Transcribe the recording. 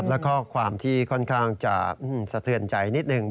แล้วก็ความที่ค่อนข้างจะสะเทือนใจนิดหนึ่ง